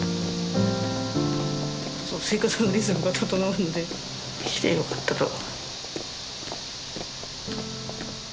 生活のリズムが整うので来てよかったと。